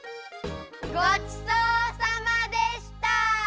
ごちそうさまでした！